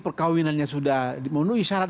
perkahwinannya sudah memenuhi syarat